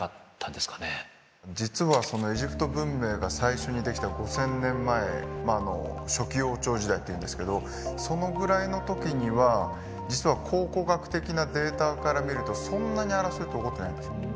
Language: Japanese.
実はエジプト文明が最初に出来た５，０００年前初期王朝時代っていうんですけどそのぐらいの時には実は考古学的なデータから見るとそんなに争いって起こってないんですよ。